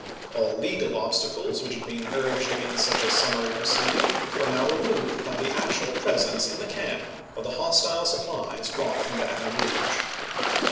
All legal obstacles which had been ui'ged against such a summary proceeding were now removed by the actual presence in the camp of the hostile sup plies brought from Baton Rouge.